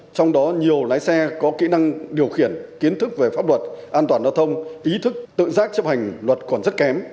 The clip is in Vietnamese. trong đó nhiều lái xe có kỹ năng điều khiển kiến thức về pháp luật an toàn giao thông ý thức tự giác chấp hành luật còn rất kém